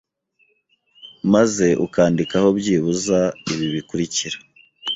maze ukandikaho byibuza ibi bikurikira